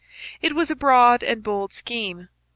It was a broad and bold scheme.